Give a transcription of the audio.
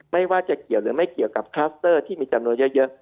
ไม่ว่าจะเกี่ยวหรือไม่เกี่ยวกับคลัสเตอร์ที่มีจำนวนเยอะ